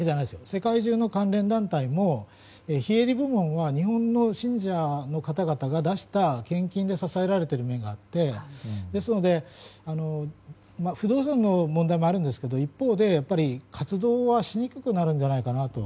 世界中の関連団体も非営利部門は日本の信者の方々が出した献金で支えられている面があってですので不動産の問題もあるんですが一方で活動はしにくくなるじゃないかなと。